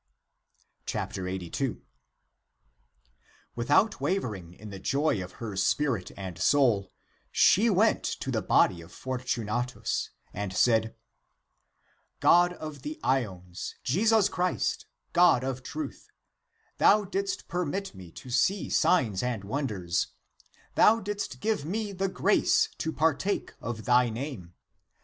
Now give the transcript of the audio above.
82. Without wavering in the joy of her spirit and soul, she went to the body of Fortunatus and said, " God of the aeons, Jesus Christ, God of truth, thou didst permit me to see signs and wonders, thou didst give me the grace to partake of thy name.